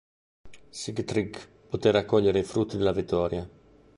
Sigtrygg poté raccogliere i frutti della vittoria.